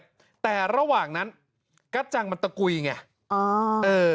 หลังจากนั้นกัดจังมันตะกุยไง